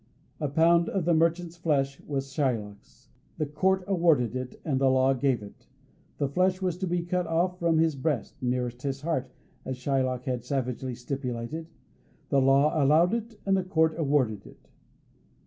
A pound of the merchant's flesh was Shylock's; the court awarded it, and the law gave it. The flesh was to be cut off from his breast ("nearest his heart," as Shylock had savagely stipulated) the law allowed it, and the court awarded it.